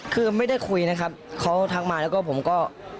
คือไม่ได้คุยนะครับเขาทักมาแล้วก็ผมก็